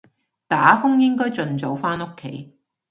打風應該盡早返屋企